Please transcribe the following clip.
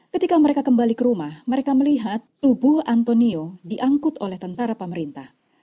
ketika mereka kembali ke rumah mereka melihat tubuh antonio diangkut oleh tentara pemerintah